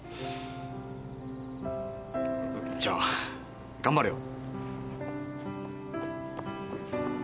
じゃあ頑張れよ。